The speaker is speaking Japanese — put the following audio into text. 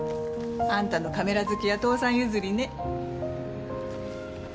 あんたのカメラ好きは父さん譲りね。